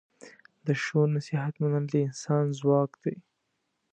د ښو نصیحت منل د انسان ځواک دی.